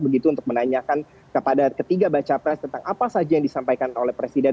begitu untuk menanyakan kepada ketiga baca pres tentang apa saja yang disampaikan